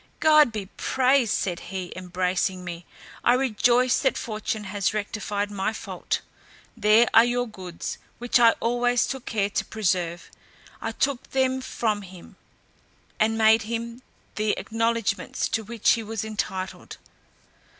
"God be praised," said he, embracing me; "I rejoice that fortune has rectified my fault. There are your goods, which I always took care to preserve." I took them from him, and made him the acknowledgments to which he was entitled.